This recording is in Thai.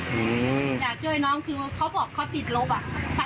อืมอยากช่วยน้องคือเขาบอกเขาติดลบอ่ะ